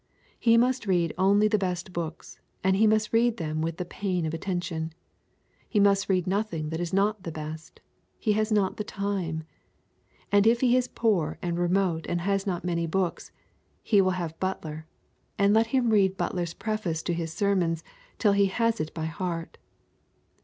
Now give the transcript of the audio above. He must read only the best books, and he must read them with the 'pain of attention.' He must read nothing that is not the best. He has not the time. And if he is poor and remote and has not many books, he will have Butler, and let him read Butler's Preface to his Sermons till he has it by heart.